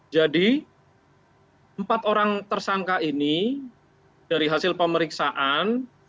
jadi empat orang tersangka ini dari hasil pemeriksaan